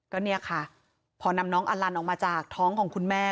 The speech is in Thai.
ก็เนี่ยค่ะพอนำน้องอลันออกมาจากท้องของคุณแม่